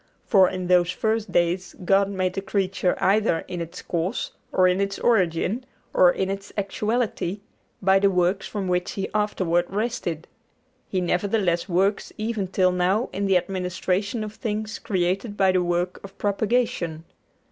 For in those first days God made the creature either in its cause, or in its origin, or in its actuality, by the work from which He afterward rested; He nevertheless works even till now in the administration of things created by the work of propagation.